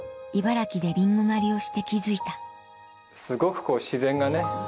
茨城でリンゴ狩りをして気付いたすごくこう自然がね。